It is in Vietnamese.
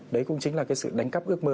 đấy cũng chính là sự đánh cắp ước mơ